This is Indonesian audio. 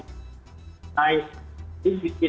itu luar maksudnya gitu